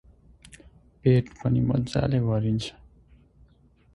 पेट पनि मज्जाले भरिन्छ ।